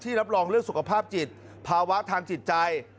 รับรองเรื่องสุขภาพจิตภาวะทางจิตใจ